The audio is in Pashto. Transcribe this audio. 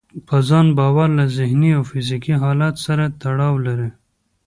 په ځان باور له ذهني او فزيکي حالت سره تړاو لري.